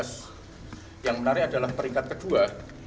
itu harus diperkutkan oleh golkar dan gerindra